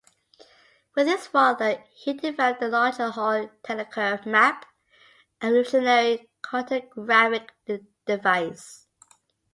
With his father, he developed the Locher-Hall Telecurve map, a revolutionary cartographic device.